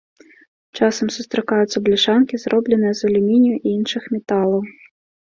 Часам сустракаюцца бляшанкі, зробленыя з алюмінію і іншых металаў.